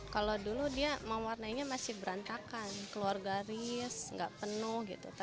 kalau dulu dia mewarnai nya masih berantakan keluar garis gak penuh gitu